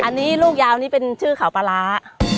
อันนี้ลูกยาวนี่เป็นชื่อเขาปลาร้า